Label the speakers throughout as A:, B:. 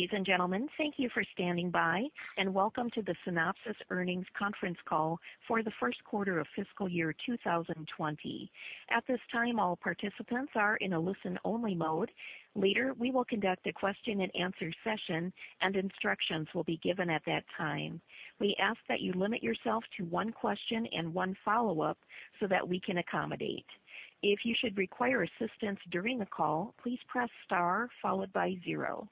A: Ladies and gentlemen, thank you for standing by and welcome to the Synopsys earnings conference call for the first quarter of fiscal year 2020. At this time, all participants are in a listen-only mode. Later, we will conduct a question-and-answer session, and instructions will be given at that time. We ask that you limit yourself to one question and one follow-up so that we can accommodate. If you should require assistance during the call, please press star followed by zero.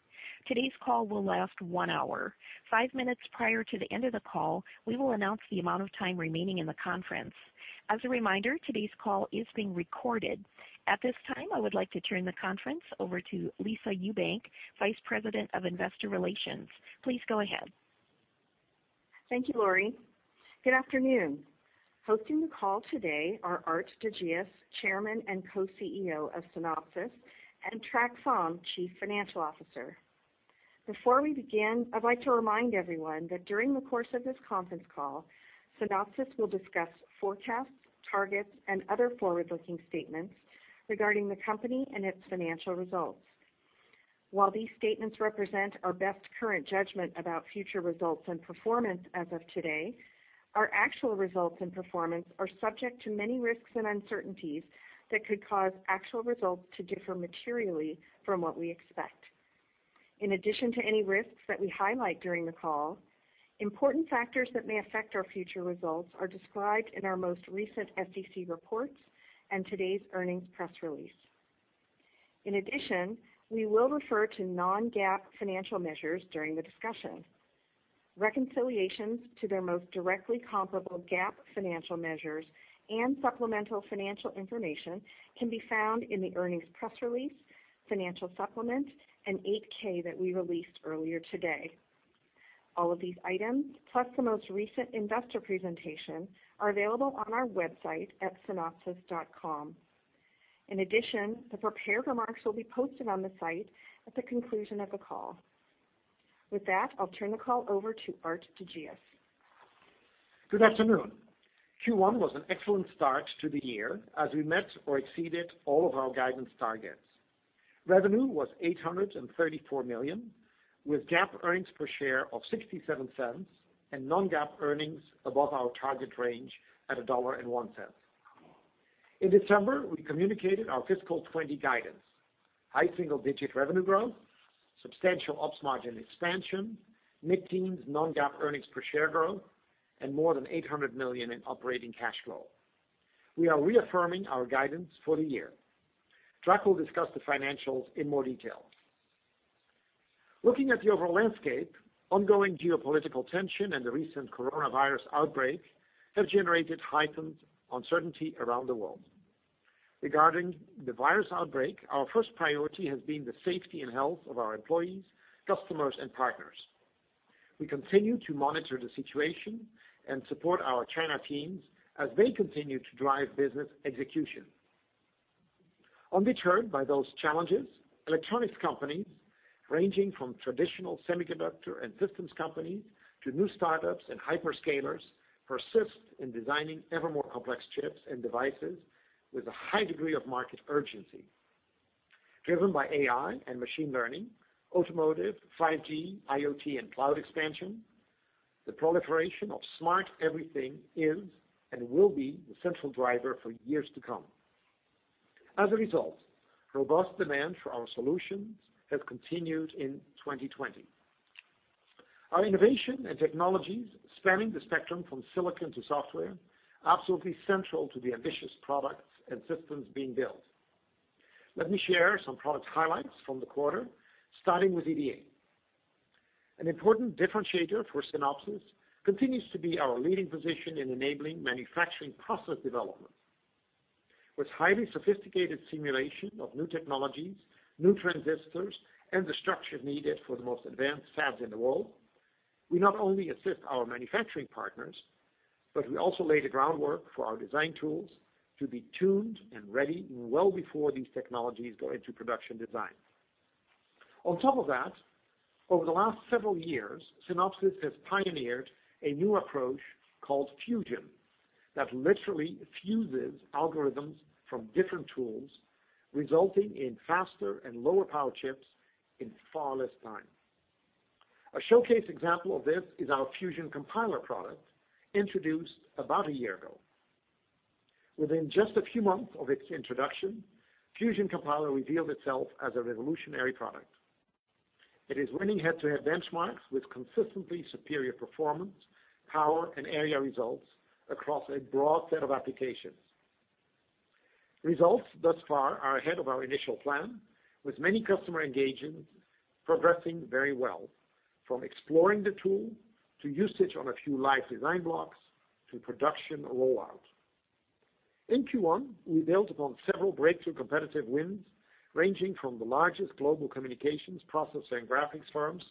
A: Today's call will last one hour. Five minutes prior to the end of the call, we will announce the amount of time remaining in the conference. As a reminder, today's call is being recorded. At this time, I would like to turn the conference over to Lisa Ewbank, Vice President of Investor Relations. Please go ahead.
B: Thank you, Lori. Good afternoon. Hosting the call today are Aart de Geus, Chairman and Co-CEO of Synopsys, and Trac Pham, Chief Financial Officer. Before we begin, I'd like to remind everyone that during the course of this conference call, Synopsys will discuss forecasts, targets, and other forward-looking statements regarding the company and its financial results. While these statements represent our best current judgment about future results and performance as of today, our actual results and performance are subject to many risks and uncertainties that could cause actual results to differ materially from what we expect. In addition to any risks that we highlight during the call, important factors that may affect our future results are described in our most recent SEC reports and today's earnings press release. In addition, we will refer to non-GAAP financial measures during the discussion. Reconciliations to their most directly comparable GAAP financial measures and supplemental financial information can be found in the earnings press release, financial supplement, and 8-K that we released earlier today. All of these items, plus the most recent investor presentation, are available on our website at synopsys.com. In addition, the prepared remarks will be posted on the site at the conclusion of the call. With that, I'll turn the call over to Aart de Geus.
C: Good afternoon. Q1 was an excellent start to the year as we met or exceeded all of our guidance targets. Revenue was $834 million, with GAAP earnings per share of $0.67 and non-GAAP earnings above our target range at $1.01. In December, we communicated our fiscal 2020 guidance, high single-digit revenue growth, substantial ops margin expansion, mid-teens non-GAAP earnings per share growth, and more than $800 million in operating cash flow. We are reaffirming our guidance for the year. Trac will discuss the financials in more detail. Looking at the overall landscape, ongoing geopolitical tension and the recent coronavirus outbreak have generated heightened uncertainty around the world. Regarding the virus outbreak, our first priority has been the safety and health of our employees, customers, and partners. We continue to monitor the situation and support our China teams as they continue to drive business execution. Undeterred by those challenges, electronics companies, ranging from traditional semiconductor and systems companies to new startups and hyperscalers, persist in designing ever more complex chips and devices with a high degree of market urgency. Driven by AI and machine learning, automotive, 5G, IoT, and cloud expansion, the proliferation of smart everything is and will be the central driver for years to come. As a result, robust demand for our solutions has continued in 2020. Our innovation and technologies spanning the spectrum from silicon to software are absolutely central to the ambitious products and systems being built. Let me share some product highlights from the quarter, starting with EDA. An important differentiator for Synopsys continues to be our leading position in enabling manufacturing process development. With highly sophisticated simulation of new technologies, new transistors, and the structure needed for the most advanced fabs in the world, we not only assist our manufacturing partners, but we also lay the groundwork for our design tools to be tuned and ready well before these technologies go into production design. On top of that, over the last several years, Synopsys has pioneered a new approach called Fusion that literally fuses algorithms from different tools, resulting in faster and lower power chips in far less time. A showcase example of this is our Fusion Compiler product, introduced about a year ago. Within just a few months of its introduction, Fusion Compiler revealed itself as a revolutionary product. It is winning head-to-head benchmarks with consistently superior performance, power, and area results across a broad set of applications. Results thus far are ahead of our initial plan, with many customer engagements progressing very well, from exploring the tool to usage on a few live design blocks, to production rollout. In Q1, we built upon several breakthrough competitive wins, ranging from the largest global communications processing graphics firms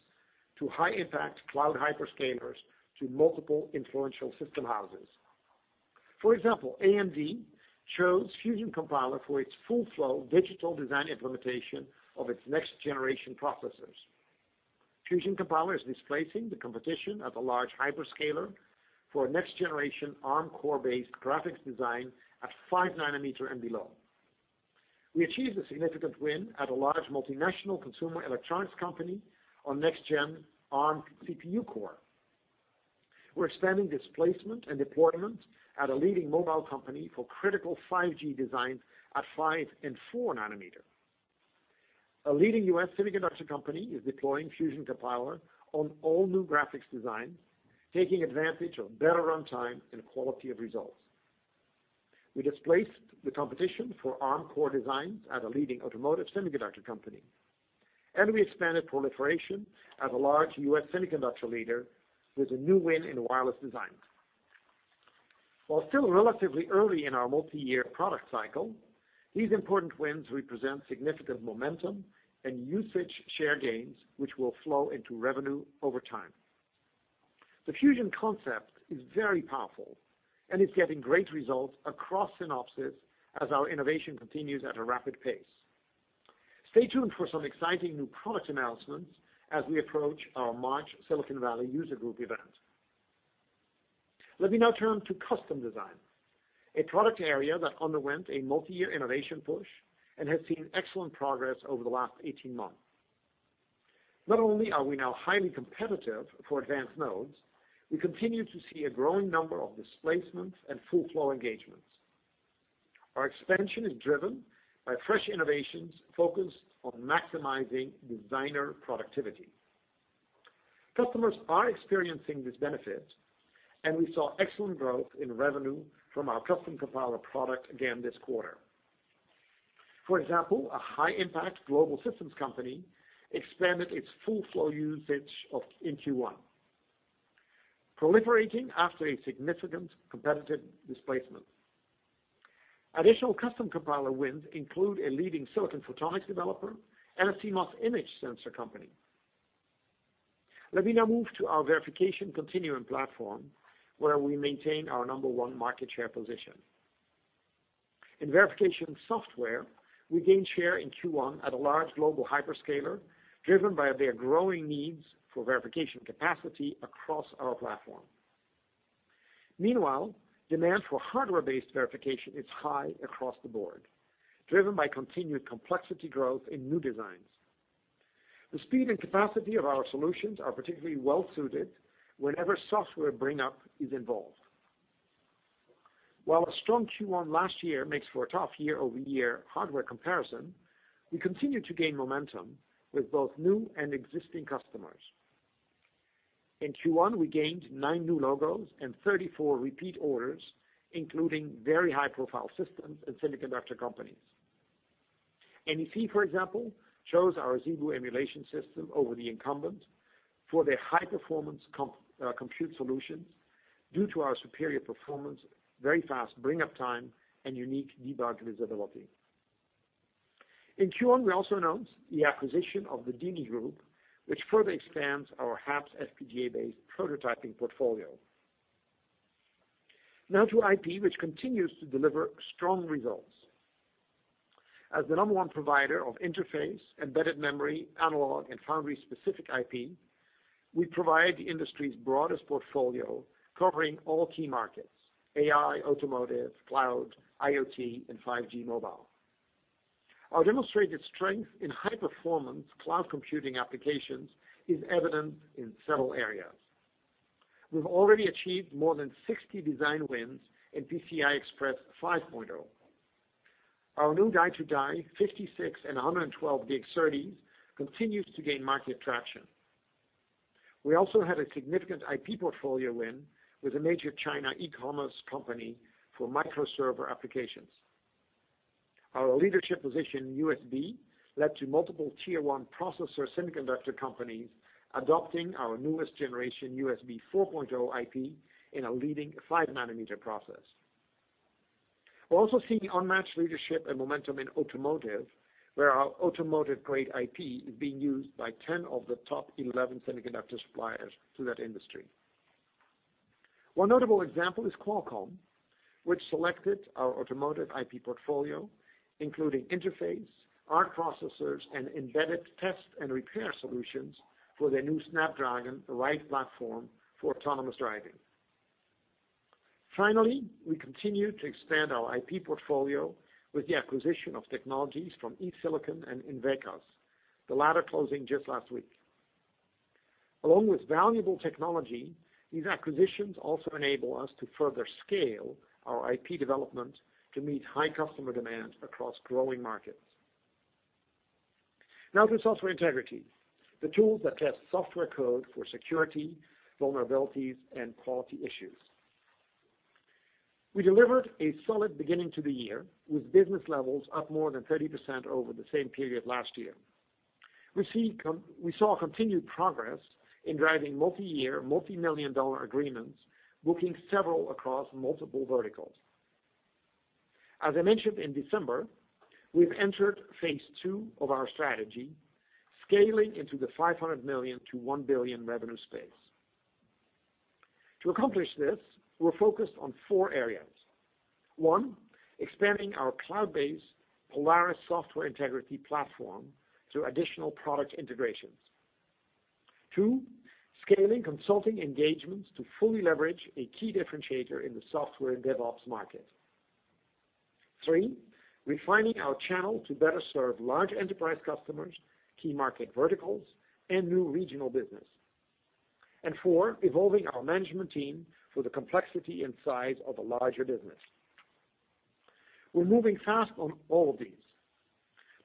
C: to high-impact cloud hyperscalers to multiple influential system houses. For example, AMD chose Fusion Compiler for its full-flow digital design implementation of its next-generation processors. Fusion Compiler is displacing the competition at a large hyperscaler for a next-generation Arm core-based graphics design at 5 nm and below. We achieved a significant win at a large multinational consumer electronics company on next-gen Arm CPU core. We're expanding displacement and deployment at a leading mobile company for critical 5G design at 5 and 4 nm. A leading U.S. semiconductor company is deploying Fusion Compiler on all new graphics designs, taking advantage of better runtime and quality of results. We displaced the competition for Arm core designs at a leading automotive semiconductor company, and we expanded proliferation at a large U.S. semiconductor leader with a new win in wireless design. While still relatively early in our multi-year product cycle, these important wins represent significant momentum and usage share gains, which will flow into revenue over time. The Fusion concept is very powerful and is getting great results across Synopsys as our innovation continues at a rapid pace. Stay tuned for some exciting new product announcements as we approach our March Silicon Valley user group event. Let me now turn to custom design, a product area that underwent a multi-year innovation push and has seen excellent progress over the last 18 months. Not only are we now highly competitive for advanced nodes, we continue to see a growing number of displacements and full flow engagements. Our expansion is driven by fresh innovations focused on maximizing designer productivity. Customers are experiencing this benefit, and we saw excellent growth in revenue from our Custom Compiler product again this quarter. For example, a high-impact global systems company expanded its full flow usage in Q1, proliferating after a significant competitive displacement. Additional Custom Compiler wins include a leading silicon photonics developer and a CMOS image sensor company. Let me now move to our Verification Continuum platform, where we maintain our number one market share position. In verification software, we gained share in Q1 at a large global hyperscaler, driven by their growing needs for verification capacity across our platform. Meanwhile, demand for hardware-based verification is high across the board, driven by continued complexity growth in new designs. The speed and capacity of our solutions are particularly well-suited whenever software bring-up is involved. While a strong Q1 last year makes for a tough year-over-year hardware comparison, we continue to gain momentum with both new and existing customers. In Q1, we gained nine new logos and 34 repeat orders, including very high-profile systems and semiconductor companies. NEC, for example, chose our ZeBu emulation system over the incumbent for their high-performance compute solutions due to our superior performance, very fast bring-up time, and unique debug visibility. In Q1, we also announced the acquisition of the DINI Group, which further expands our HAPS FPGA-based prototyping portfolio. Now to IP, which continues to deliver strong results. As the number one provider of interface, embedded memory, analog, and foundry-specific IP, we provide the industry's broadest portfolio covering all key markets, AI, automotive, cloud, IoT, and 5G mobile. Our demonstrated strength in high-performance cloud computing applications is evident in several areas. We've already achieved more than 60 design wins in PCI Express 5.0. Our new die-to-die 56 and 112 DX30 continues to gain market traction. We also had a significant IP portfolio win with a major China e-commerce company for micro server applications. Our leadership position in USB led to multiple tier 1 processor semiconductor companies adopting our newest generation USB 4.0 IP in a leading 5-nm process. We're also seeing unmatched leadership and momentum in automotive, where our automotive-grade IP is being used by 10 of the top 11 semiconductor suppliers to that industry. One notable example is Qualcomm, which selected our automotive IP portfolio, including interface, ARC processors, and embedded test and repair solutions for their new Snapdragon Ride platform for autonomous driving. Finally, we continue to expand our IP portfolio with the acquisition of technologies from eSilicon and INVECAS, the latter closing just last week. Along with valuable technology, these acquisitions also enable us to further scale our IP development to meet high customer demand across growing markets. Now to software integrity, the tools that test software code for security, vulnerabilities, and quality issues. We delivered a solid beginning to the year with business levels up more than 30% over the same period last year. We saw continued progress in driving multi-year, multi-million dollar agreements, booking several across multiple verticals. As I mentioned in December, we've entered phase II of our strategy, scaling into the $500 million-$1 billion revenue space. To accomplish this, we're focused on four areas. One, expanding our cloud-based Polaris Software Integrity Platform through additional product integrations. Two, scaling consulting engagements to fully leverage a key differentiator in the software and DevOps market. Three, refining our channel to better serve large enterprise customers, key market verticals, and new regional business. Four, evolving our management team for the complexity and size of a larger business. We're moving fast on all of these.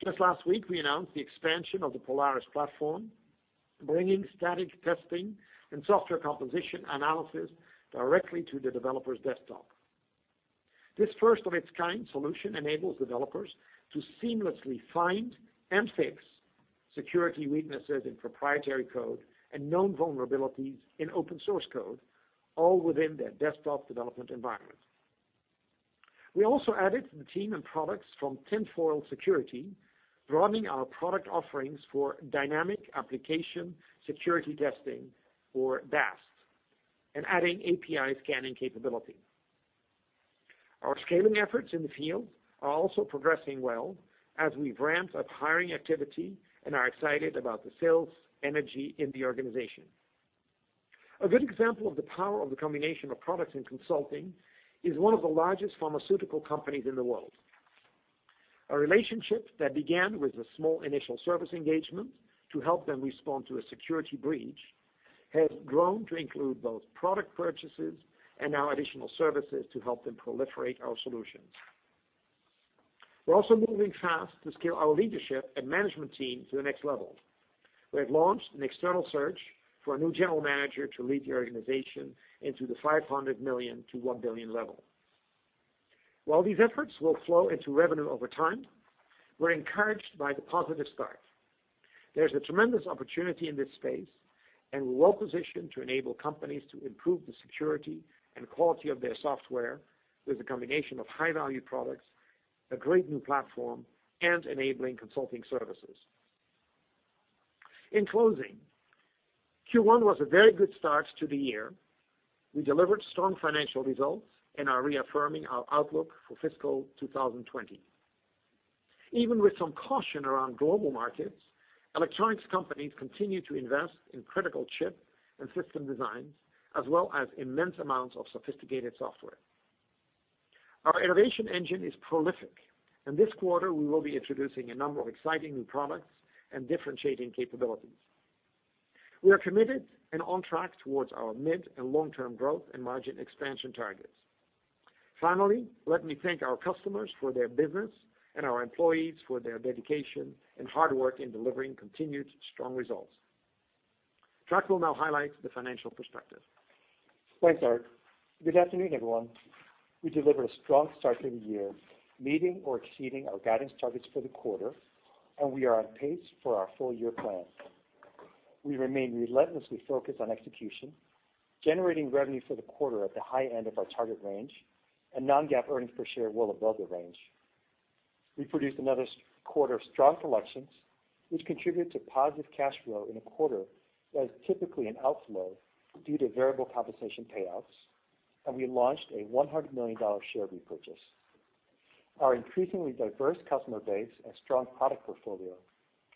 C: Just last week, we announced the expansion of the Polaris platform, bringing static testing and software composition analysis directly to the developer's desktop. This first-of-its-kind solution enables developers to seamlessly find and fix security weaknesses in proprietary code and known vulnerabilities in open source code, all within their desktop development environment. We also added to the team and products from Tinfoil Security, broadening our product offerings for dynamic application security testing for DAST, and adding API scanning capability. Our scaling efforts in the field are also progressing well as we've ramped up hiring activity and are excited about the sales energy in the organization. A good example of the power of the combination of products and consulting is one of the largest pharmaceutical companies in the world. A relationship that began with a small initial service engagement to help them respond to a security breach has grown to include both product purchases and now additional services to help them proliferate our solutions. We're also moving fast to scale our leadership and management team to the next level. We have launched an external search for a new general manager to lead the organization into the $500 million-$1 billion level. While these efforts will flow into revenue over time, we're encouraged by the positive start. There's a tremendous opportunity in this space, and we're well-positioned to enable companies to improve the security and quality of their software with a combination of high-value products, a great new platform, and enabling consulting services. In closing, Q1 was a very good start to the year. We delivered strong financial results and are reaffirming our outlook for fiscal 2020. Even with some caution around global markets, electronics companies continue to invest in critical chip and system designs, as well as immense amounts of sophisticated software. Our innovation engine is prolific, and this quarter we will be introducing a number of exciting new products and differentiating capabilities. We are committed and on track towards our mid and long-term growth and margin expansion targets. Finally, let me thank our customers for their business and our employees for their dedication and hard work in delivering continued strong results. Trac will now highlight the financial perspective.
D: Thanks, Aart. Good afternoon, everyone. We delivered a strong start to the year, meeting or exceeding our guidance targets for the quarter, and we are on pace for our full-year plan. We remain relentlessly focused on execution, generating revenue for the quarter at the high end of our target range, and non-GAAP earnings per share well above the range. We produced another quarter of strong collections, which contributed to positive cash flow in a quarter that is typically an outflow due to variable compensation payouts, and we launched a $100 million share repurchase. Our increasingly diverse customer base and strong product portfolio,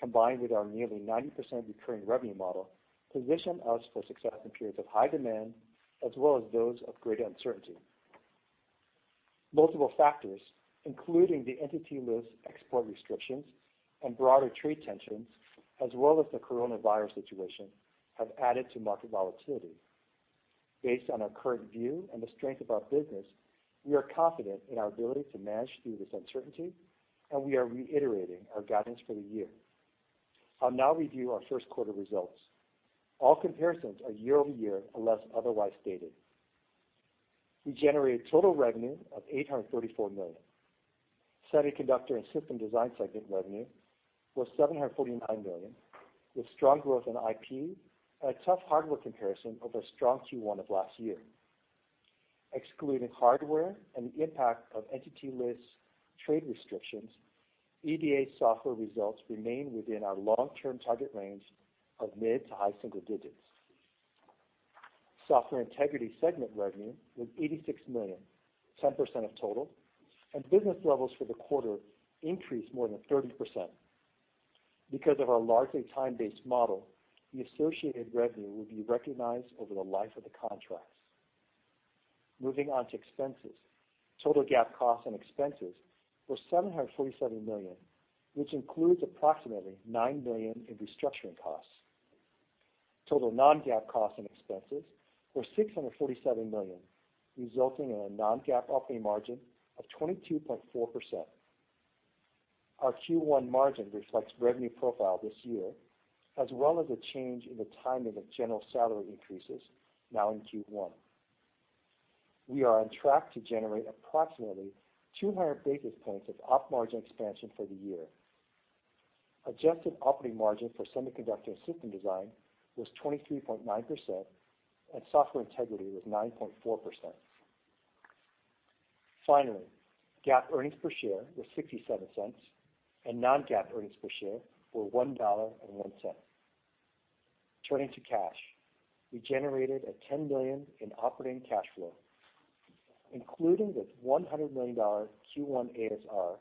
D: combined with our nearly 90% recurring revenue model, position us for success in periods of high demand as well as those of greater uncertainty. Multiple factors, including the Entity List export restrictions and broader trade tensions, as well as the coronavirus situation, have added to market volatility. Based on our current view and the strength of our business, we are confident in our ability to manage through this uncertainty, and we are reiterating our guidance for the year. I'll now review our first quarter results. All comparisons are year-over-year, unless otherwise stated. We generated total revenue of $834 million. Semiconductor and System Design segment revenue was $749 million, with strong growth in IP and a tough hardware comparison over a strong Q1 of last year. Excluding hardware and the impact of Entity List trade restrictions, EDA software results remain within our long-term target range of mid to high single digits. Software Integrity segment revenue was $86 million, 10% of total, and business levels for the quarter increased more than 30%. Because of our largely time-based model, the associated revenue will be recognized over the life of the contracts. Moving on to expenses. Total GAAP costs and expenses were $747 million, which includes approximately $9 million in restructuring costs. Total non-GAAP costs and expenses were $647 million, resulting in a non-GAAP operating margin of 22.4%. Our Q1 margin reflects revenue profile this year, as well as a change in the timing of general salary increases now in Q1. We are on track to generate approximately 200 basis points of op margin expansion for the year. Adjusted operating margin for semiconductor and system design was 23.9%, and software integrity was 9.4%. Finally, GAAP earnings per share were $0.67, and non-GAAP earnings per share were $1.01. Turning to cash, we generated $10 million in operating cash flow. Including the $100 million Q1 ASR,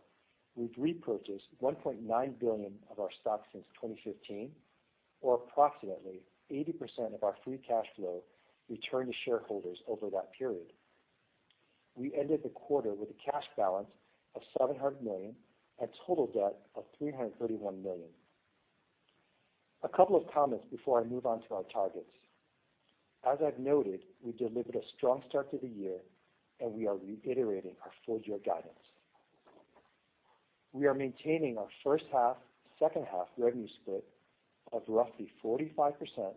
D: we've repurchased $1.9 billion of our stock since 2015, or approximately 80% of our free cash flow returned to shareholders over that period. We ended the quarter with a cash balance of $700 million and total debt of $331 million. A couple of comments before I move on to our targets. As I've noted, we delivered a strong start to the year, and we are reiterating our full-year guidance. We are maintaining our first half, second half revenue split of roughly 45%/55%,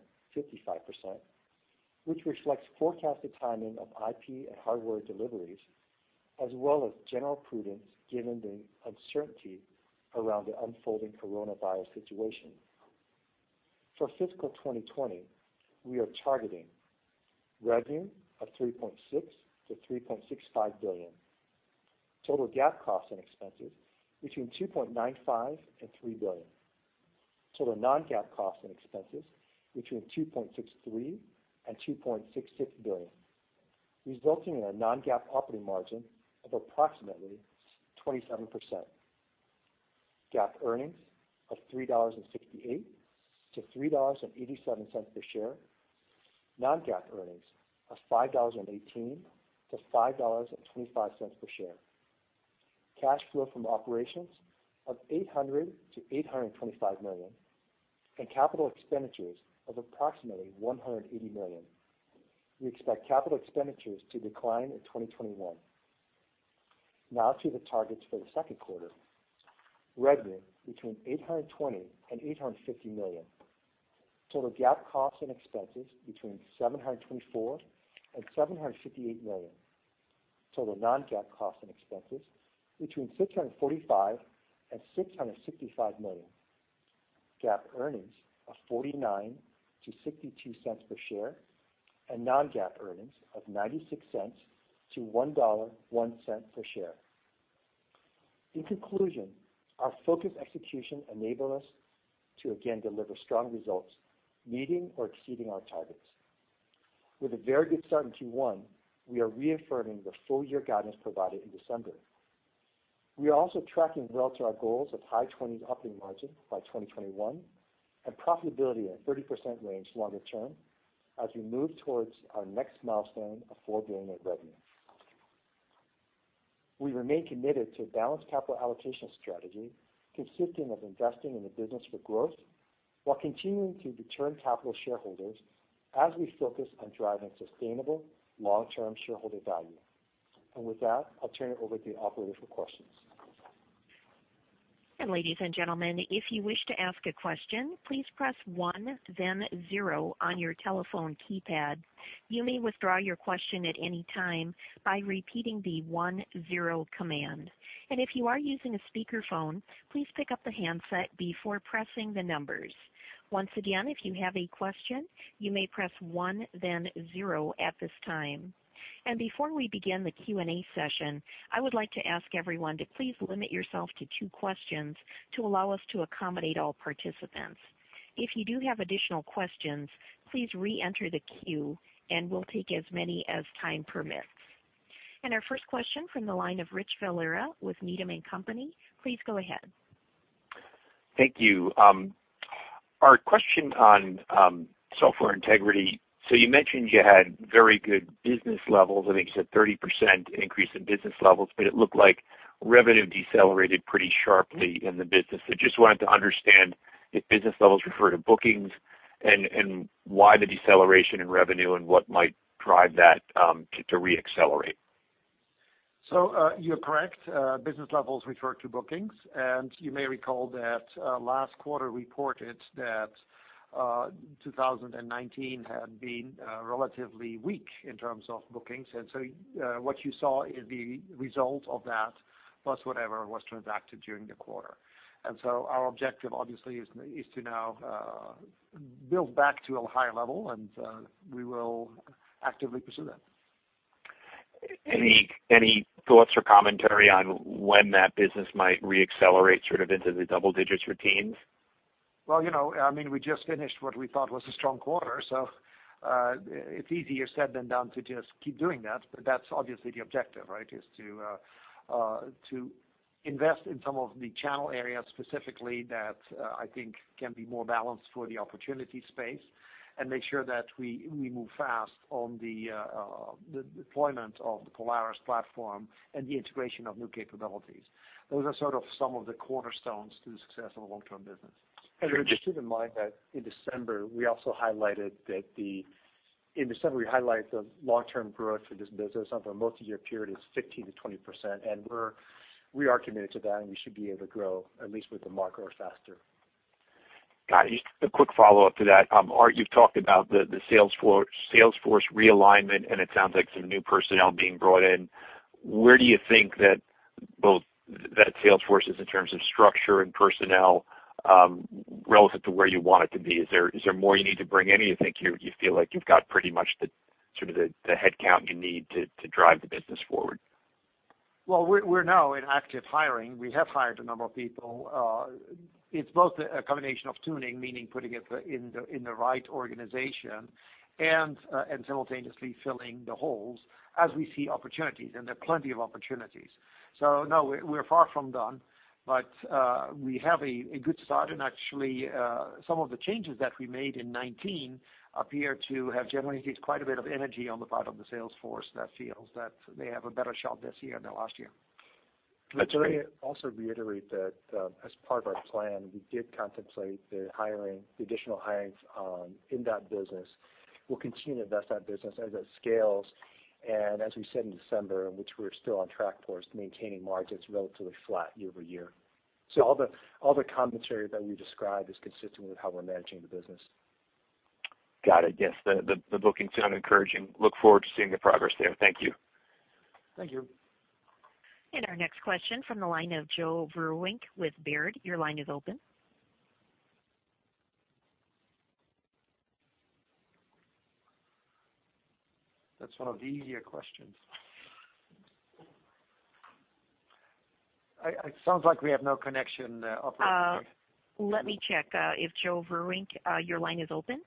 D: which reflects forecasted timing of IP and hardware deliveries, as well as general prudence given the uncertainty around the unfolding coronavirus situation. For fiscal 2020, we are targeting revenue of $3.6 billion-$3.65 billion, total GAAP costs and expenses between $2.95 and $3 billion, total non-GAAP costs and expenses between $2.63 and $2.66 billion, resulting in a non-GAAP operating margin of approximately 27%, GAAP earnings of $3.68-$3.87 per share, non-GAAP earnings of $5.18-$5.25 per share, cash flow from operations of $800 million-$825 million, and capital expenditures of approximately $180 million. We expect capital expenditures to decline in 2021. Now to the targets for the second quarter. Revenue between $820 and $850 million, total GAAP costs and expenses between $724 and $758 million, total non-GAAP costs and expenses between $645 and $665 million, GAAP earnings of $0.49-$0.62 per share, and non-GAAP earnings of $0.96-$1.01 per share. In conclusion, our focused execution enabled us to again deliver strong results, meeting or exceeding our targets. With a very good start in Q1, we are reaffirming the full-year guidance provided in December. We are also tracking well to our goals of high-20s operating margin by 2021 and profitability in a 30% range longer term as we move towards our next milestone of $4 billion of revenue. We remain committed to a balanced capital allocation strategy consisting of investing in the business for growth while continuing to return capital to shareholders as we focus on driving sustainable long-term shareholder value. With that, I'll turn it over to the operator for questions.
A: Ladies and gentlemen, if you wish to ask a question, please press one then zero on your telephone keypad. You may withdraw your question at any time by repeating the one zero command. If you are using a speakerphone, please pick up the handset before pressing the numbers. Once again, if you have a question, you may press one then zero at this time. Before we begin the Q&A session, I would like to ask everyone to please limit yourself to two questions to allow us to accommodate all participants. If you do have additional questions, please re-enter the queue and we'll take as many as time permits. Our first question from the line of Rich Valera with Needham & Company. Please go ahead.
E: Thank you. Our question on Software Integrity. You mentioned you had very good business levels. I think you said 30% increase in business levels, but it looked like revenue decelerated pretty sharply in the business. Just wanted to understand if business levels refer to bookings, and why the deceleration in revenue and what might drive that to re-accelerate.
C: You're correct. Business levels refer to bookings, and you may recall that last quarter we reported that 2019 had been relatively weak in terms of bookings. What you saw is the result of that plus whatever was transacted during the quarter. Our objective, obviously, is to now build back to a higher level, and we will actively pursue that.
E: Any thoughts or commentary on when that business might re-accelerate into the double digits routines?
C: Well, we just finished what we thought was a strong quarter, so it's easier said than done to just keep doing that. That's obviously the objective, right? Is to invest in some of the channel areas specifically that I think can be more balanced for the opportunity space and make sure that we move fast on the deployment of the Polaris platform and the integration of new capabilities. Those are sort of some of the cornerstones to the success of the long-term business.
D: Just keep in mind that in December, we highlight the long-term growth for this business on the multi-year period is 15%-20%, and we are committed to that, and we should be able to grow at least with the market or faster.
E: Got it. Just a quick follow-up to that. Aart, you've talked about the sales force realignment, and it sounds like some new personnel being brought in. Where do you think that both that sales force is in terms of structure and personnel relative to where you want it to be? Is there more you need to bring in? Or you feel like you've got pretty much the sort of the headcount you need to drive the business forward?
C: Well, we're now in active hiring. We have hired a number of people. It's both a combination of tuning, meaning putting it in the right organization, and simultaneously filling the holes as we see opportunities, and there are plenty of opportunities. No, we're far from done, but we have a good start. Actually, some of the changes that we made in 2019 appear to have generated quite a bit of energy on the part of the sales force that feels that they have a better shot this year than the last year.
E: That's great.
D: Let me also reiterate that as part of our plan, we did contemplate the additional hirings in that business. We'll continue to invest that business as it scales, and as we said in December, in which we're still on track towards maintaining margins relatively flat year-over-year. All the commentary that we described is consistent with how we're managing the business.
E: Got it. Yes. The bookings sound encouraging. Look forward to seeing the progress there. Thank you.
D: Thank you.
A: Our next question from the line of Joe Vruwink with Baird. Your line is open.
C: That's one of the easier questions. It sounds like we have no connection operator.
A: Let me check. If Joe Vruwink, your line is open?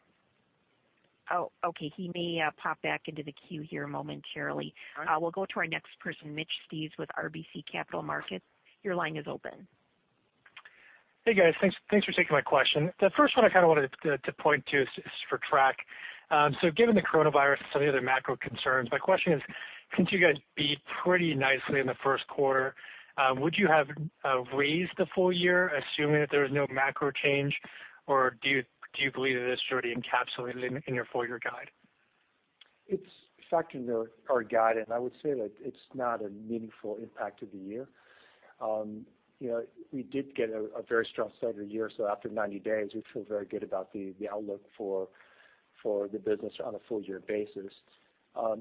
A: Oh, okay. He may pop back into the queue here momentarily. We'll go to our next person, Mitch Steves with RBC Capital Markets. Your line is open.
F: Hey, guys. Thanks for taking my question. The first one I kind of wanted to point to is for Trac. Given the coronavirus and some of the other macro concerns, my question is, since you guys beat pretty nicely in the first quarter, would you have raised the full year assuming that there was no macro change? Or do you believe that it's already encapsulated in your full-year guide?
D: It's factored into our guide, and I would say that it's not a meaningful impact to the year. We did get a very strong start of the year, so after 90 days, we feel very good about the outlook for the business on a full-year basis.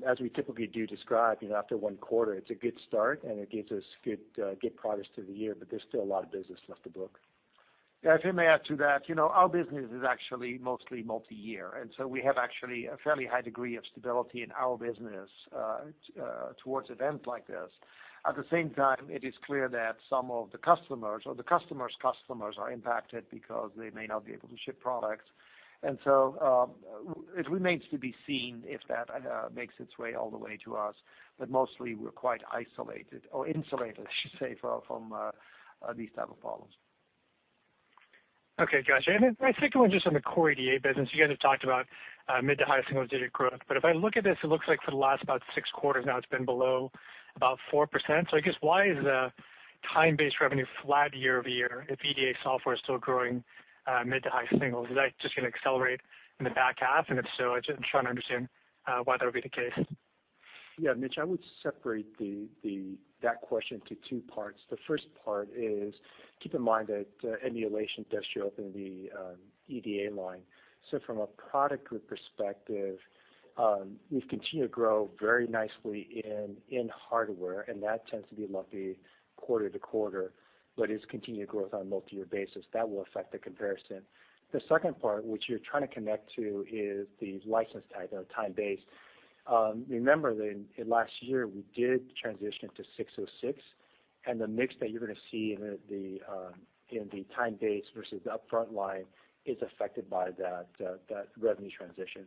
D: As we typically do describe, after one quarter, it's a good start and it gives us good progress to the year, but there's still a lot of business left to book.
C: Yeah, if I may add to that, our business is actually mostly multi-year, and so we have actually a fairly high degree of stability in our business towards events like this. At the same time, it is clear that some of the customers or the customer's customers are impacted because they may not be able to ship products. It remains to be seen if that makes its way all the way to us. Mostly we're quite isolated or insulated, I should say, from these type of problems.
F: Okay, got you. My second one, just on the core EDA business. You guys have talked about mid to high single-digit growth. If I look at this, it looks like for the last about six quarters now, it's been below about 4%. I guess why is the time-based revenue flat year-over-year if EDA software is still growing mid to high single? Is that just going to accelerate in the back half? If so, I'm trying to understand why that would be the case.
D: Mitch, I would separate that question to two parts. The first part is, keep in mind that emulation does show up in the EDA line. From a product group perspective, we've continued to grow very nicely in hardware, and that tends to be lumpy quarter-to-quarter, but it's continued growth on a multi-year basis. That will affect the comparison. The second part, which you're trying to connect to, is the license type that are time-based. Remember that in last year, we did transition to 606, and the mix that you're going to see in the time-based versus the upfront line is affected by that revenue transition.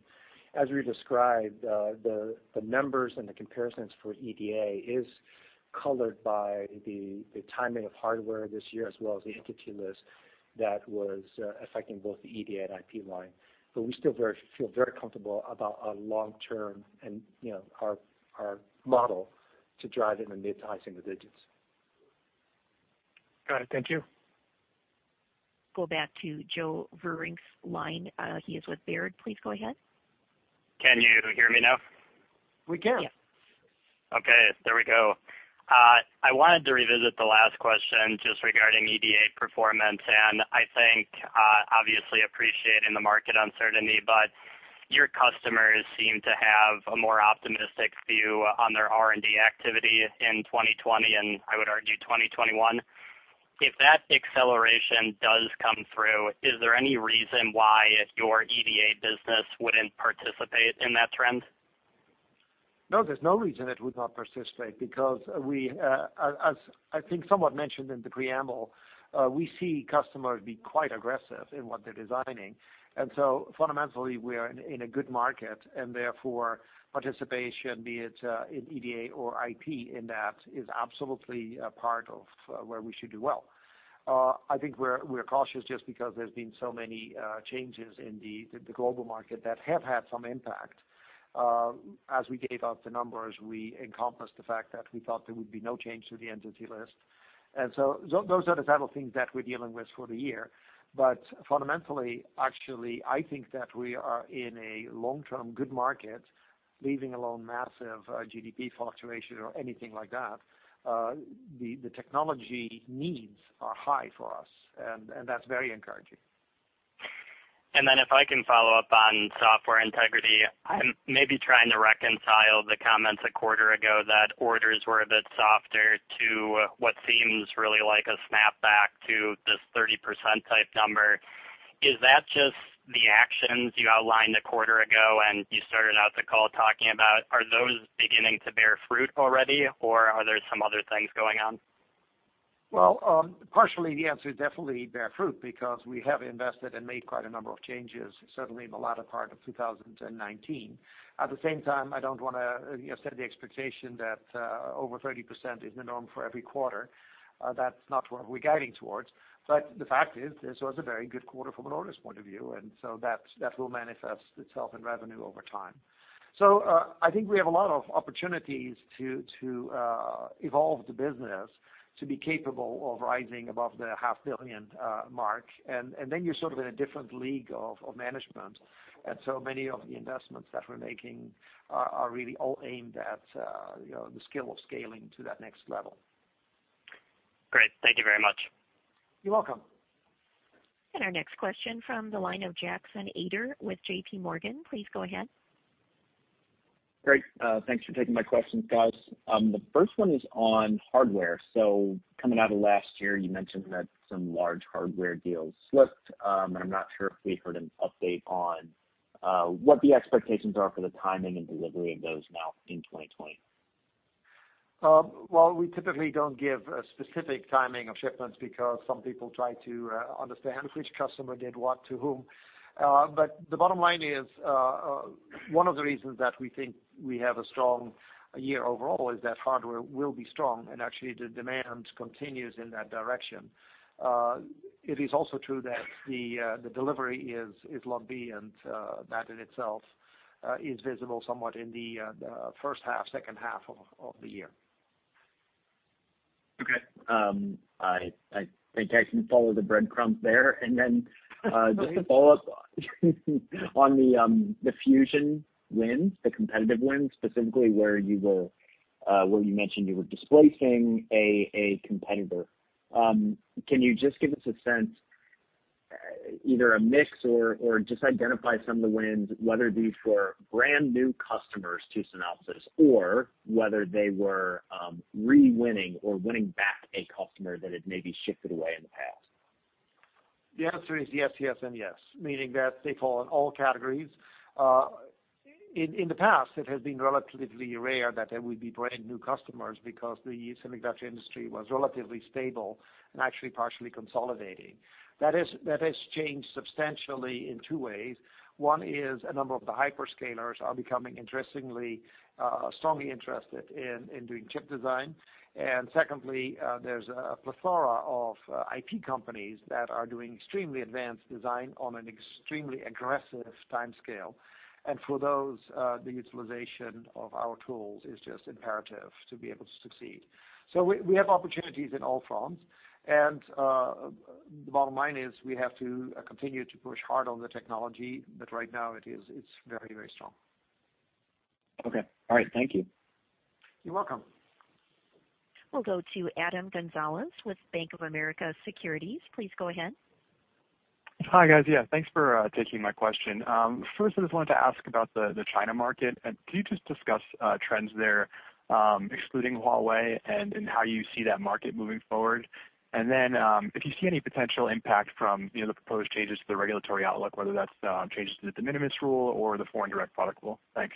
D: As we described, the numbers and the comparisons for EDA is colored by the timing of hardware this year, as well as the Entity List that was affecting both the EDA and IP line. We still feel very comfortable about our long-term and our model to drive in the mid to high single digits.
F: Got it. Thank you.
A: Go back to Joe Vruwink's line. He is with Baird. Please go ahead.
G: Can you hear me now?
C: We can.
A: Yeah.
G: Okay, there we go. I wanted to revisit the last question just regarding EDA performance. I think, obviously appreciating the market uncertainty, but your customers seem to have a more optimistic view on their R&D activity in 2020, and I would argue 2021. If that acceleration does come through, is there any reason why your EDA business wouldn't participate in that trend?
C: No, there's no reason it would not participate because as I think somewhat mentioned in the preamble, we see customers be quite aggressive in what they're designing. Fundamentally, we are in a good market, and therefore participation, be it in EDA or IP in that, is absolutely a part of where we should do well. I think we're cautious just because there's been so many changes in the global market that have had some impact. As we gave out the numbers, we encompassed the fact that we thought there would be no change to the Entity List. Those are the type of things that we're dealing with for the year. Fundamentally, actually, I think that we are in a long-term good market, leaving alone massive GDP fluctuation or anything like that. The technology needs are high for us, and that's very encouraging.
G: If I can follow up on Software Integrity, I'm maybe trying to reconcile the comments a quarter ago that orders were a bit softer to what seems really like a snapback to this 30% type number. Is that just the actions you outlined a quarter ago and you started out the call talking about, are those beginning to bear fruit already or are there some other things going on?
C: Partially the answer is definitely bear fruit because we have invested and made quite a number of changes, certainly in the latter part of 2019. At the same time, I don't want to set the expectation that over 30% is the norm for every quarter. That's not what we're guiding towards. The fact is, this was a very good quarter from an orders point-of-view, that will manifest itself in revenue over time. I think we have a lot of opportunities to evolve the business to be capable of rising above the half billion mark, you're sort of in a different league of management. Many of the investments that we're making are really all aimed at the skill of scaling to that next level.
G: Great. Thank you very much.
C: You're welcome.
A: Our next question from the line of Jackson Ader with JPMorgan. Please go ahead.
H: Great. Thanks for taking my questions, guys. The first one is on hardware. Coming out of last year, you mentioned that some large hardware deals slipped. I'm not sure if we heard an update on what the expectations are for the timing and delivery of those now in 2020.
C: Well, we typically don't give a specific timing of shipments because some people try to understand which customer did what to whom. The bottom line is, one of the reasons that we think we have a strong year overall is that hardware will be strong, and actually the demand continues in that direction. It is also true that the delivery is lumpy, and that in itself is visible somewhat in the first half, second half of the year.
H: Okay. I think I can follow the breadcrumbs there. Just to follow up on the Fusion wins, the competitive wins, specifically where you mentioned you were displacing a competitor. Can you just give us a sense, either a mix or just identify some of the wins, whether these were brand-new customers to Synopsys or whether they were re-winning or winning back a customer that had maybe shifted away in the past?
C: The answer is yes, and yes, meaning that they fall in all categories. In the past, it has been relatively rare that there would be brand-new customers because the semiconductor industry was relatively stable and actually partially consolidating. That has changed substantially in two ways. One is a number of the hyperscalers are becoming strongly interested in doing chip design. Secondly, there's a plethora of IP companies that are doing extremely advanced design on an extremely aggressive timescale. For those, the utilization of our tools is just imperative to be able to succeed. We have opportunities in all fronts, and the bottom line is we have to continue to push hard on the technology, but right now it's very strong.
H: Okay. All right. Thank you.
C: You're welcome.
A: We'll go to Adam Gonzalez with Bank of America Securities. Please go ahead.
I: Hi, guys. Yeah, thanks for taking my question. First, I just wanted to ask about the China market, and can you just discuss trends there, excluding Huawei, and how you see that market moving forward? Then, if you see any potential impact from the proposed changes to the regulatory outlook, whether that's changes to the de minimis rule or the Foreign Direct Product Rule? Thanks.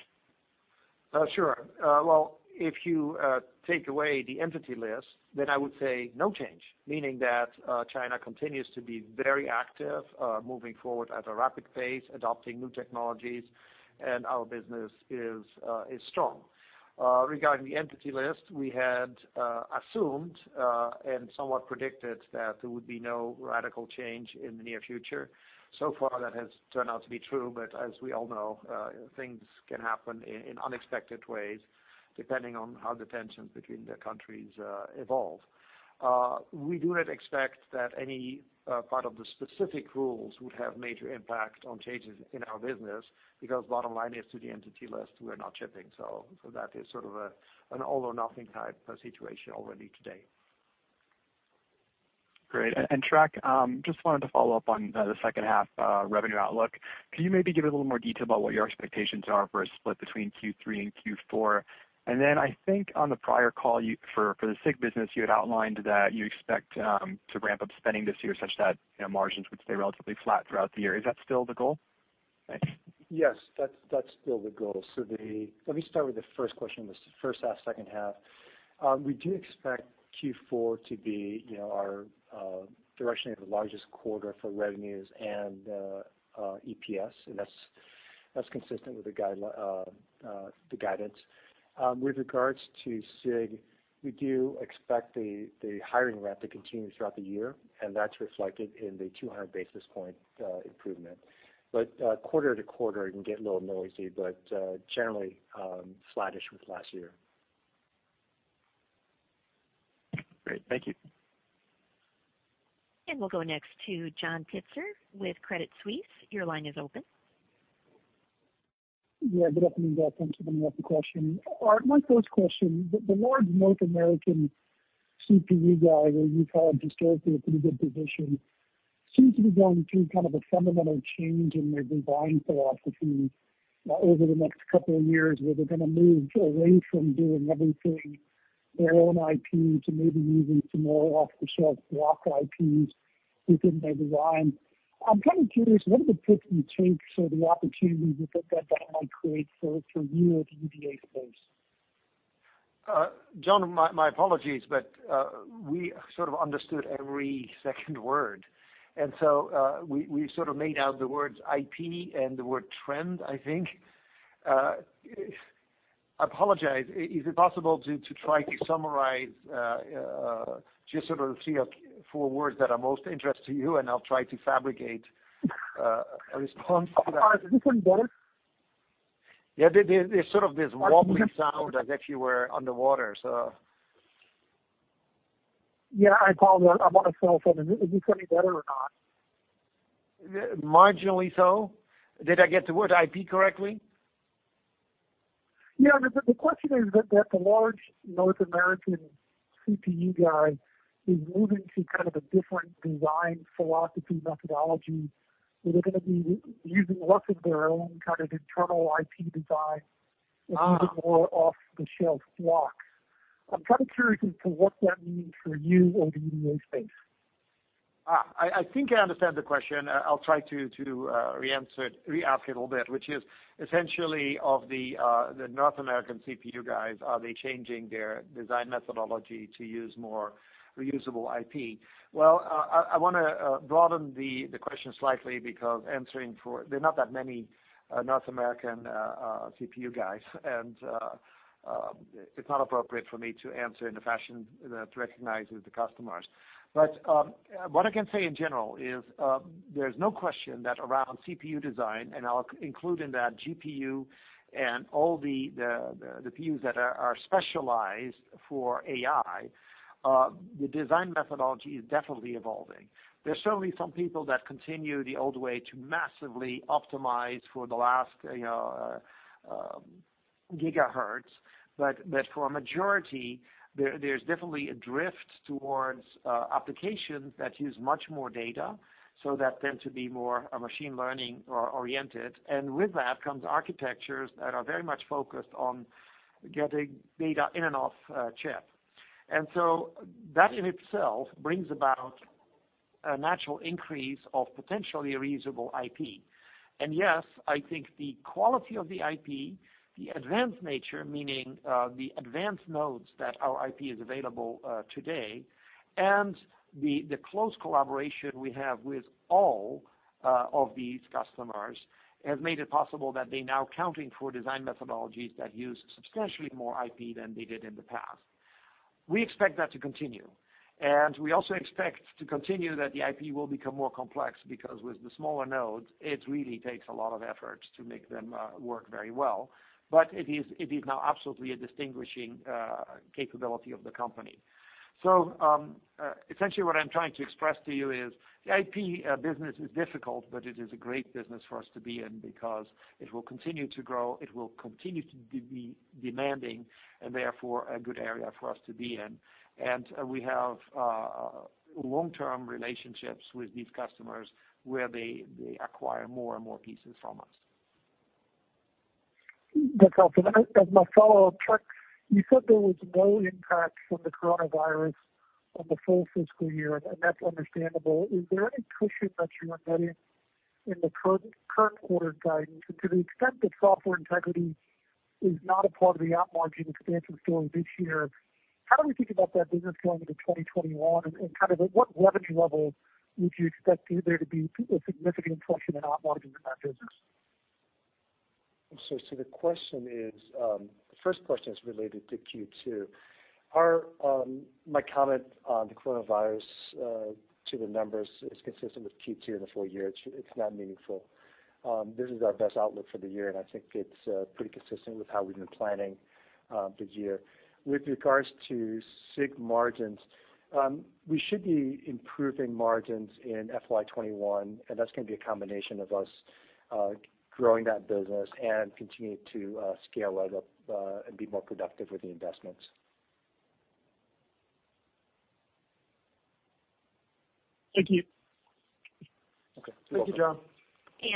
C: Well, if you take away the Entity List, then I would say no change, meaning that China continues to be very active, moving forward at a rapid pace, adopting new technologies, and our business is strong. Regarding the Entity List, we had assumed, and somewhat predicted that there would be no radical change in the near future. So far, that has turned out to be true, but as we all know, things can happen in unexpected ways depending on how the tensions between the countries evolve. We do not expect that any part of the specific rules would have major impact on changes in our business, because bottom line is to the Entity List, we're not shipping. That is sort of an all-or-nothing type of situation already today.
I: Great. Trac, just wanted to follow up on the second half revenue outlook. Can you maybe give a little more detail about what your expectations are for a split between Q3 and Q4? Then I think on the prior call for the SIG business, you had outlined that you expect to ramp up spending this year such that margins would stay relatively flat throughout the year. Is that still the goal? Thanks.
D: Yes, that's still the goal. Let me start with the first question, this first half, second half. We do expect Q4 to be directionally the largest quarter for revenues and EPS, and that's consistent with the guidance. With regards to SIG, we do expect the hiring ramp to continue throughout the year, and that's reflected in the 200 basis point improvement. Quarter-to-quarter, it can get a little noisy, but generally flattish with last year.
I: Great. Thank you.
A: We'll go next to John Pitzer with Credit Suisse. Your line is open.
J: Good afternoon, guys. Thanks for letting me ask a question. My first question, the large North American CPU guys that you've had historically a pretty good position seems to be going through kind of a fundamental change in their design philosophy over the next couple of years, where they're going to move away from doing everything their own IP to maybe using some more off-the-shelf block IPs within their design. I'm curious, what are the trends or the opportunities that that might create for you in the EDA space?
C: John, my apologies, we sort of understood every second word, we sort of made out the words IP and the word trend, I think. I apologize. Is it possible to try to summarize just sort of three or four words that are most interest to you and I'll try to fabricate a response to that.
J: Is this any better?
C: Yeah. There's sort of this warbling sound as if you were underwater, so.
J: I apologize. I'm on a cell phone. Is this any better or not?
C: Marginally so. Did I get the word IP correctly?
J: Yeah. The question is that the large North American CPU guy is moving to kind of a different design philosophy methodology, where they're going to be using less of their own kind of internal IP design and using more off-the-shelf blocks. I'm kind of curious as to what that means for you or the EDA space.
C: I think I understand the question. I'll try to re-ask it a little bit, which is essentially of the North American CPU guys, are they changing their design methodology to use more reusable IP? I want to broaden the question slightly because there are not that many North American CPU guys, and it's not appropriate for me to answer in a fashion that recognizes the customers. What I can say in general is, there's no question that around CPU design, and I'll include in that GPU and all the views that are specialized for AI, the design methodology is definitely evolving. There's certainly some people that continue the old way to massively optimize for the last gigahertz. For a majority, there's definitely a drift towards applications that use much more data, so that tend to be more machine learning oriented. With that comes architectures that are very much focused on getting data in and off chip. That in itself brings about a natural increase of potentially reusable IP. Yes, I think the quality of the IP, the advanced nature, meaning the advanced nodes that our IP is available today, and the close collaboration we have with all of these customers has made it possible that they now accounting for design methodologies that use substantially more IP than they did in the past. We expect that to continue, and we also expect to continue that the IP will become more complex because with the smaller nodes, it really takes a lot of effort to make them work very well. It is now absolutely a distinguishing capability of the company. Essentially what I'm trying to express to you is the IP business is difficult, but it is a great business for us to be in because it will continue to grow, it will continue to be demanding, and therefore, a good area for us to be in. We have long-term relationships with these customers where they acquire more and more pieces from us.
J: That's helpful. As my follow-up, Trac, you said there was no impact from the coronavirus on the full fiscal year, and that's understandable. Is there any cushion that you are embedding in the current quarter guidance? To the extent that Software Integrity is not a part of the op margin expansion story this year, how do we think about that business going into 2021, and kind of at what revenue level would you expect there to be a significant cushion in op margin in that business?
D: The first question is related to Q2. My comment on the coronavirus to the numbers is consistent with Q2 in the full-year. It's not meaningful. This is our best outlook for the year, and I think it's pretty consistent with how we've been planning the year. With regards to SIG margins, we should be improving margins in FY 2021, and that's going to be a combination of us growing that business and continuing to scale it up and be more productive with the investments.
J: Thank you.
D: Okay.
C: Thank you, John.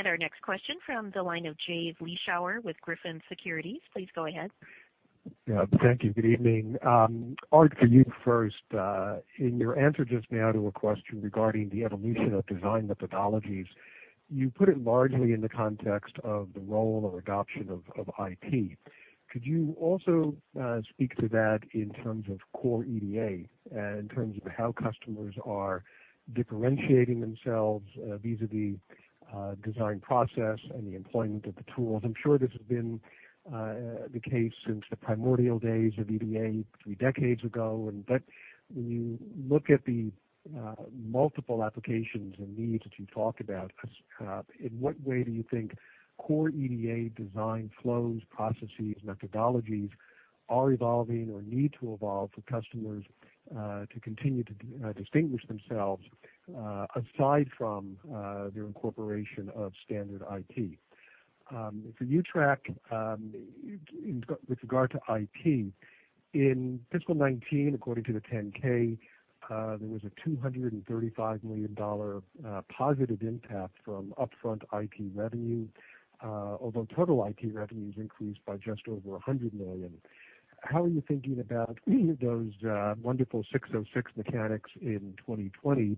A: Our next question from the line of Jay Vleeschhouwer with Griffin Securities. Please go ahead.
K: Yeah. Thank you. Good evening. Aart, for you first. In your answer just now to a question regarding the evolution of design methodologies, you put it largely in the context of the role or adoption of IP. Could you also speak to that in terms of core EDA, in terms of how customers are differentiating themselves vis-a-vis design process and the employment of the tools? I'm sure this has been the case since the primordial days of EDA three decades ago. When you look at the multiple applications and needs that you talk about, in what way do you think core EDA design flows, processes, methodologies are evolving or need to evolve for customers to continue to distinguish themselves aside from their incorporation of standard IP? For you, Trac, with regard to IP, in fiscal 2019, according to the 10-K, there was a $235 million positive impact from upfront IP revenue. Although total IP revenues increased by just over $100 million. How are you thinking about any of those wonderful ASC 606 mechanics in 2020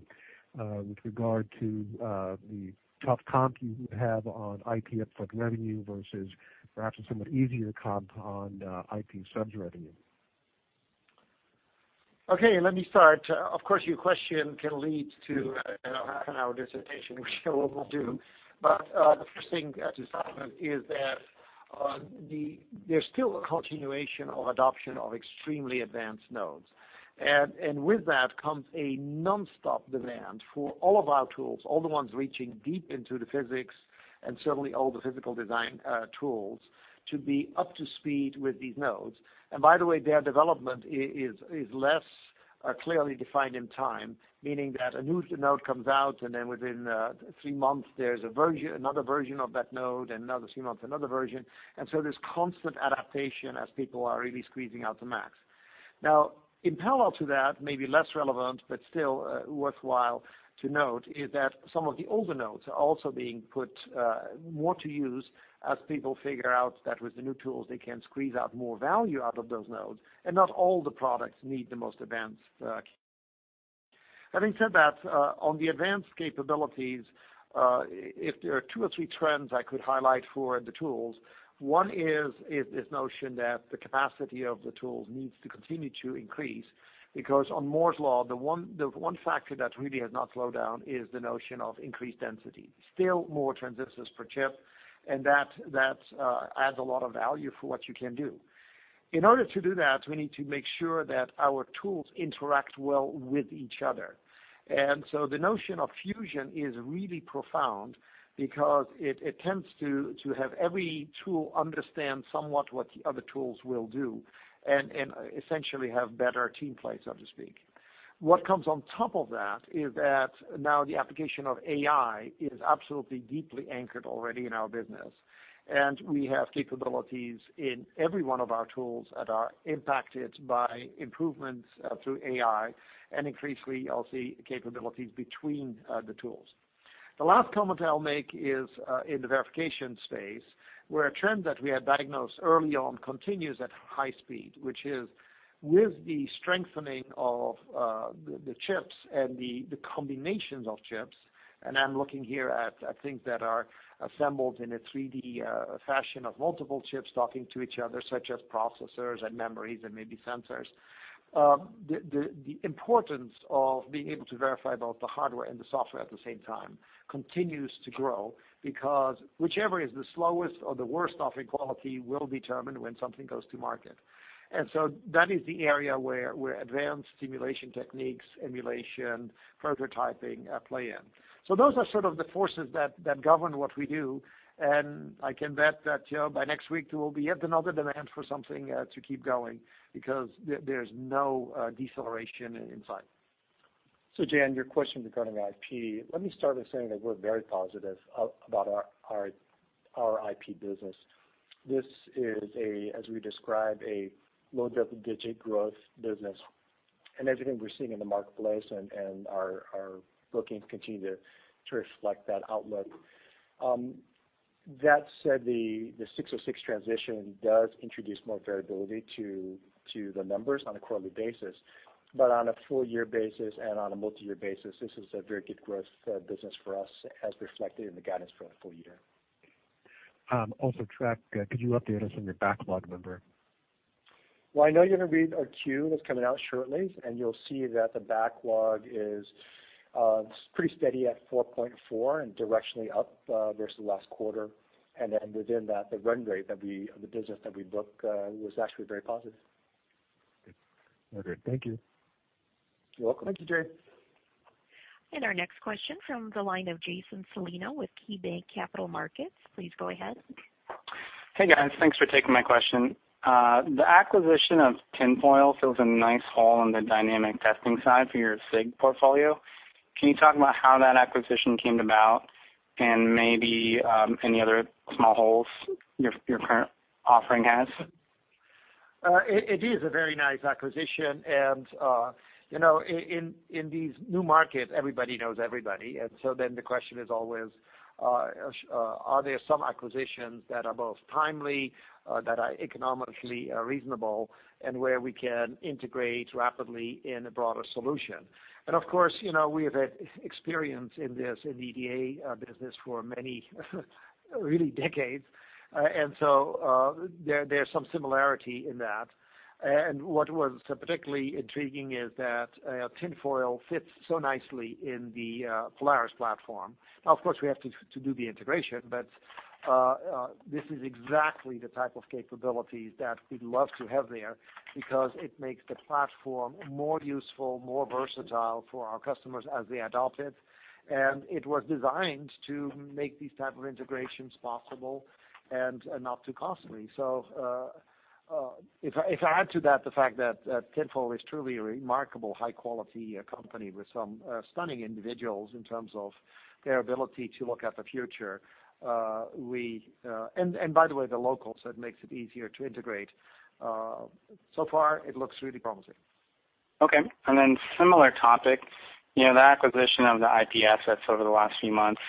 K: with regard to the tough comp you have on IP up-front revenue versus perhaps a somewhat easier comp on IP subs revenue?
C: Okay, let me start. Of course, your question can lead to a half an hour dissertation, which I won't do. The first thing to start with is that there's still a continuation of adoption of extremely advanced nodes. With that comes a nonstop demand for all of our tools, all the ones reaching deep into the physics, and certainly all the physical design tools to be up to speed with these nodes. By the way, their development is less clearly defined in time, meaning that a new node comes out and then within three months, there's another version of that node and another three months, another version. There's constant adaptation as people are really squeezing out the max. In parallel to that, maybe less relevant, but still worthwhile to note, is that some of the older nodes are also being put more to use as people figure out that with the new tools, they can squeeze out more value out of those nodes, and not all the products need the most advanced. Having said that, on the advanced capabilities, if there are two or three trends I could highlight for the tools, one is this notion that the capacity of the tools needs to continue to increase because on Moore's Law, the one factor that really has not slowed down is the notion of increased density. Still more transistors per chip, that adds a lot of value for what you can do. In order to do that, we need to make sure that our tools interact well with each other. The notion of Fusion is really profound because it tends to have every tool understand somewhat what the other tools will do and essentially have better team plays, so to speak. What comes on top of that is that now the application of AI is absolutely deeply anchored already in our business, and we have capabilities in every one of our tools that are impacted by improvements through AI and increasingly, you'll see capabilities between the tools. The last comment I'll make is in the verification space, where a trend that we had diagnosed early on continues at high speed, which is with the strengthening of the chips and the combinations of chips, and I'm looking here at things that are assembled in a 3D fashion of multiple chips talking to each other, such as processors and memories, and maybe sensors. The importance of being able to verify both the hardware and the software at the same time continues to grow because whichever is the slowest or the worst offering quality will determine when something goes to market. That is the area where advanced simulation techniques, emulation, prototyping play in. Those are sort of the forces that govern what we do, and I can bet that by next week, there will be yet another demand for something to keep going because there's no deceleration in sight.
D: Jay, your question regarding IP, let me start by saying that we're very positive about our IP business. This is, as we describe, a low double-digit growth business and everything we're seeing in the marketplace and our booking continue to reflect that outlook. That said, the 606 transition does introduce more variability to the numbers on a quarterly basis, but on a full-year basis and on a multi-year basis, this is a very good growth business for us as reflected in the guidance for the full-year.
K: Trac, could you update us on your backlog number?
D: Well, I know you're going to read our Q that's coming out shortly, you'll see that the backlog is pretty steady at $4.4 and directionally up versus last quarter. Within that, the run rate of the business that we book was actually very positive.
K: Okay, thank you.
D: You're welcome.
C: Thank you, Jay.
A: Our next question from the line of Jason Celino with KeyBanc Capital Markets. Please go ahead.
L: Hey, guys. Thanks for taking my question. The acquisition of Tinfoil fills a nice hole in the dynamic testing side for your SIG portfolio. Can you talk about how that acquisition came about and maybe any other small holes your current offering has?
C: It is a very nice acquisition. In these new markets, everybody knows everybody. The question is always, are there some acquisitions that are both timely, that are economically reasonable, and where we can integrate rapidly in a broader solution? Of course, we have experience in this, in the EDA business for many really decades. There's some similarity in that. What was particularly intriguing is that Tinfoil fits so nicely in the Polaris platform. Now, of course, we have to do the integration, but this is exactly the type of capabilities that we'd love to have there because it makes the platform more useful, more versatile for our customers as they adopt it. It was designed to make these type of integrations possible and not too costly. If I add to that the fact that Tinfoil is truly a remarkable high-quality company with some stunning individuals in terms of their ability to look at the future. By the way, they're local, so it makes it easier to integrate. So far it looks really promising.
L: Okay. Similar topic, the acquisition of the IP assets over the last few months,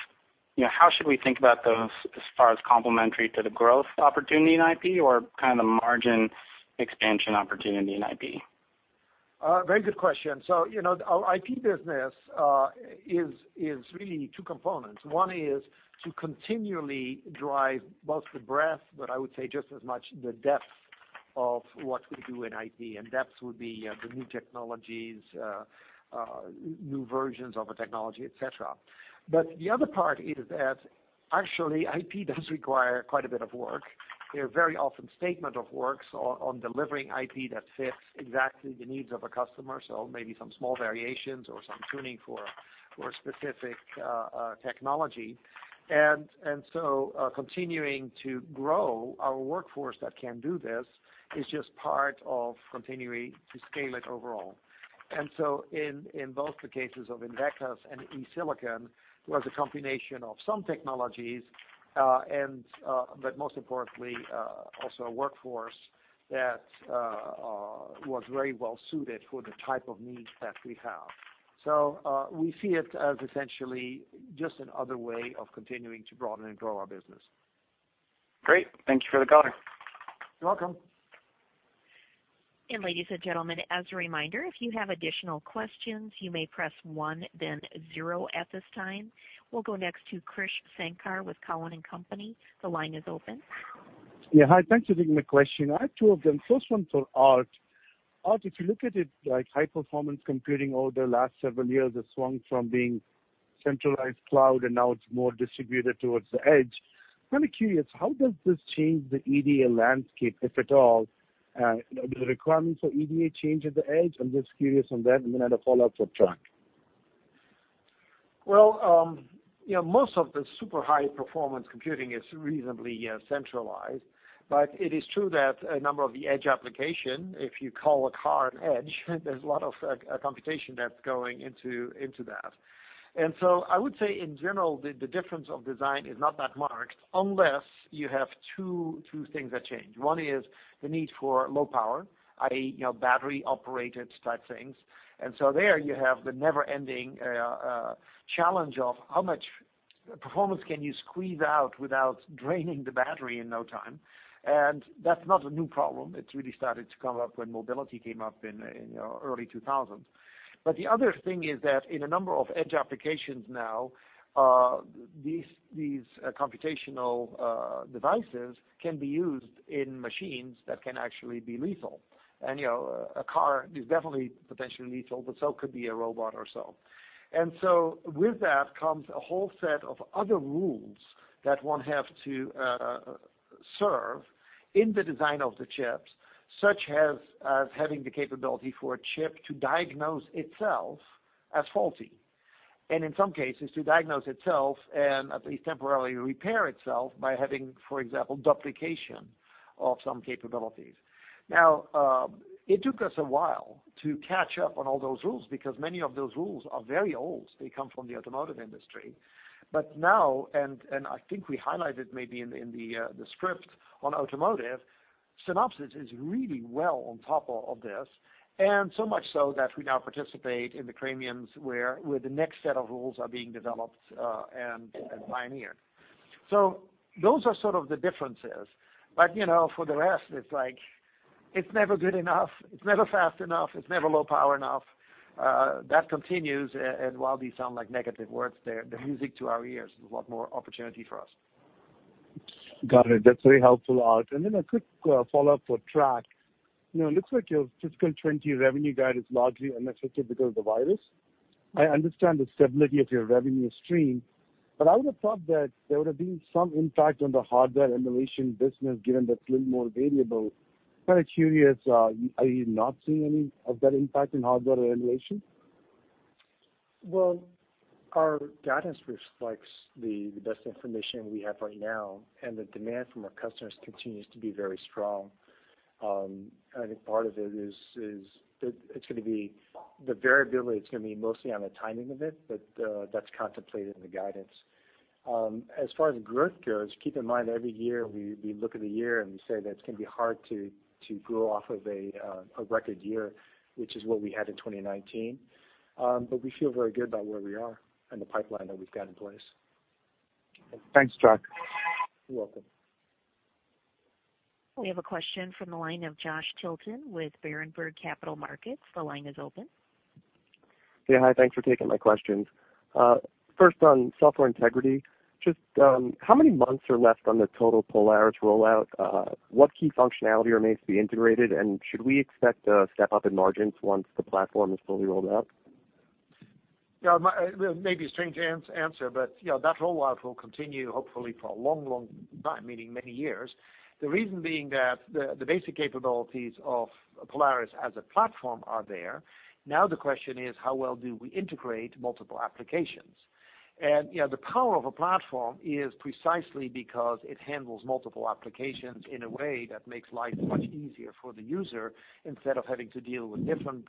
L: how should we think about those as far as complementary to the growth opportunity in IP or kind of margin expansion opportunity in IP?
C: Very good question. Our IP business is really two components. One is to continually drive both the breadth, but I would say just as much the depth of what we do in IP. Depth would be the new technologies, new versions of a technology, et cetera. The other part is that actually IP does require quite a bit of work. They're very often statement of works on delivering IP that fits exactly the needs of a customer, so maybe some small variations or some tuning for a specific technology. Continuing to grow our workforce that can do this is just part of continuing to scale it overall. In both the cases of INVECAS and eSilicon, it was a combination of some technologies, but most importantly, also a workforce that was very well suited for the type of needs that we have. We see it as essentially just another way of continuing to broaden and grow our business.
L: Great. Thank you for the color.
C: You're welcome.
A: Ladies and gentlemen, as a reminder, if you have additional questions, you may press one, then zero at this time. We'll go next to Krish Sankar with Cowen and Company. The line is open.
M: Yeah. Hi. Thanks for taking my question. I have two of them. First one for Aart. Aart, if you look at it like high performance computing over the last several years has swung from being centralized cloud, and now it's more distributed towards the edge. I'm kind of curious, how does this change the EDA landscape, if at all? Do the requirements for EDA change at the edge? I'm just curious on that, and then I have a follow-up for Trac.
C: Well, most of the super high-performance computing is reasonably centralized. It is true that a number of the edge application, if you call a car an edge, there's a lot of computation that's going into that. I would say in general, the difference of design is not that marked unless you have two things that change. One is the need for low power, i.e., battery operated type things. There you have the never-ending challenge of how much performance can you squeeze out without draining the battery in no time. That's not a new problem. It really started to come up when mobility came up in early 2000s. The other thing is that in a number of edge applications now, these computational devices can be used in machines that can actually be lethal. A car is definitely potentially lethal, but so could be a robot or so. With that comes a whole set of other rules that one have to serve in the design of the chips, such as having the capability for a chip to diagnose itself as faulty, and in some cases, to diagnose itself and at least temporarily repair itself by having, for example, duplication of some capabilities. Now, it took us a while to catch up on all those rules because many of those rules are very old. They come from the automotive industry. Now, and I think we highlighted maybe in the script on automotive, Synopsys is really well on top of this, and so much so that we now participate in the consortiums where the next set of rules are being developed and pioneered. Those are sort of the differences, but for the rest, it's like, it's never good enough, it's never fast enough, it's never low power enough. That continues, and while these sound like negative words, they're music to our ears. There's a lot more opportunity for us.
M: Got it. That's very helpful, Aart. A quick follow-up for Trac. It looks like your fiscal 2020 revenue guide is largely unaffected because of the virus. I understand the stability of your revenue stream, I would have thought that there would have been some impact on the hardware emulation business, given that's a little more variable. Kind of curious, are you not seeing any of that impact in hardware emulation?
D: Our guidance reflects the best information we have right now, and the demand from our customers continues to be very strong. I think part of it is it's going to be the variability it's going to be mostly on the timing of it, but that's contemplated in the guidance. As far as growth goes, keep in mind, every year we look at the year and we say that it's going to be hard to grow off of a record year, which is what we had in 2019. We feel very good about where we are and the pipeline that we've got in place.
M: Thanks, Trac.
D: You're welcome.
A: We have a question from the line of Joshua Tilton with Berenberg Capital Markets. The line is open.
N: Hi. Thanks for taking my questions. First on Software Integrity, just how many months are left on the total Polaris rollout? What key functionality remains to be integrated, and should we expect a step up in margins once the platform is fully rolled out?
C: Yeah. It may be a strange answer, but that rollout will continue hopefully for a long, long time, meaning many years. The reason being that the basic capabilities of Polaris as a platform are there. Now the question is how well do we integrate multiple applications? The power of a platform is precisely because it handles multiple applications in a way that makes life much easier for the user instead of having to deal with different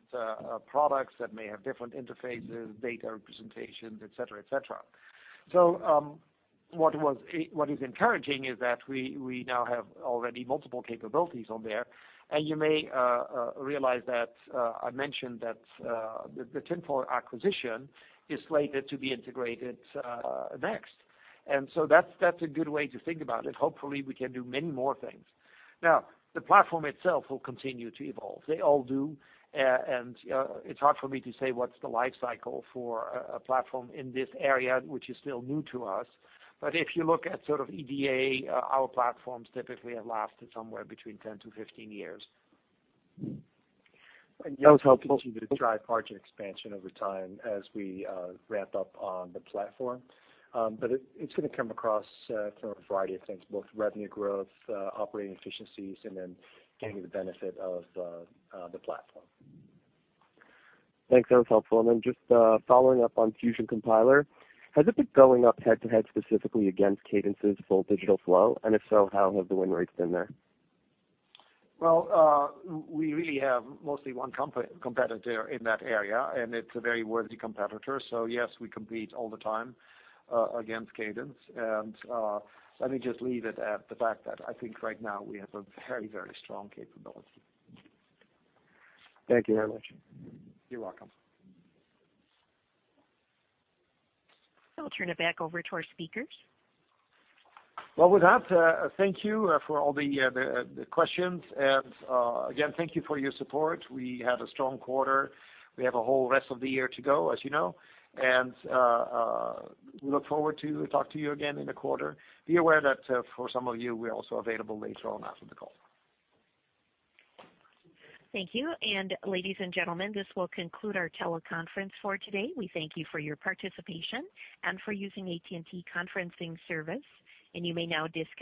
C: products that may have different interfaces, data representations, et cetera. What is encouraging is that we now have already multiple capabilities on there, and you may realize that I mentioned that the Tinfoil Security acquisition is slated to be integrated next. That's a good way to think about it. Hopefully, we can do many more things. Now, the platform itself will continue to evolve. They all do. It's hard for me to say what's the life cycle for a platform in this area, which is still new to us. If you look at sort of EDA, our platforms typically have lasted somewhere between 10 to 15 years.
D: That was helpful to drive margin expansion over time as we ramp up on the platform. It's going to come across from a variety of things, both revenue growth, operating efficiencies, and then getting the benefit of the platform.
N: Thanks. That was helpful. Then just following up on Fusion Compiler, has it been going up head-to-head specifically against Cadence's full digital flow? If so, how have the win rates been there?
C: Well, we really have mostly one competitor in that area, and it's a very worthy competitor. Yes, we compete all the time against Cadence. Let me just leave it at the fact that I think right now we have a very, very strong capability.
N: Thank you very much.
C: You're welcome.
A: I'll turn it back over to our speakers.
C: Well, with that, thank you for all the questions. Again, thank you for your support. We had a strong quarter. We have a whole rest of the year to go, as you know, and we look forward to talk to you again in a quarter. Be aware that for some of you, we're also available later on after the call.
A: Thank you. Ladies and gentlemen, this will conclude our teleconference for today. We thank you for your participation and for using AT&T conferencing service. You may now disconnect.